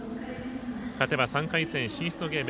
勝てば３回戦進出のゲーム。